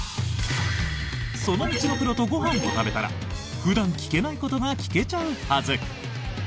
その道のプロとご飯を食べたら普段聞けないことが聞けちゃうはず。